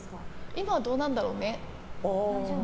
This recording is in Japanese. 今どうなんだろうね。